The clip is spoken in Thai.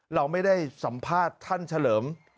เราไม่ได้สัมภาษณ์ท่านเฉลิม